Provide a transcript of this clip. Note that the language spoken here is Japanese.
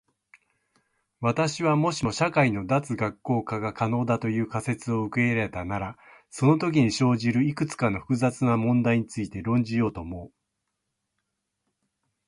私は、もしも社会の脱学校化が可能だという仮説を受け入れたならそのときに生じるいくつかの複雑な問題について論じようと思う。